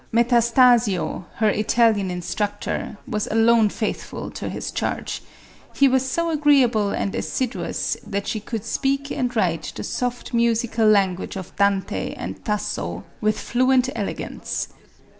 Metastasio, her Italian instructor, was alone faithful to his charge; he was so agreeable and assiduous that she could speak and write the soft, musical language of Dante and Tasso, with fluent elegance.